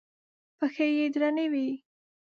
پښې یې درنې وې.